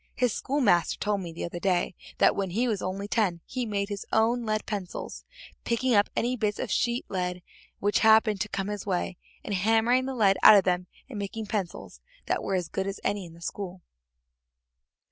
His schoolmaster told me the other day that when he was only ten he made his own lead pencils, picking up any bits of sheet lead which happened to come his way, and hammering the lead out of them and making pencils that were as good as any in the school."